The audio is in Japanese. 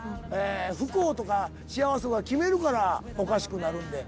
不幸とか幸せは決めるからおかしくなるんで。